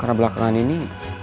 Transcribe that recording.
karena belakangan ini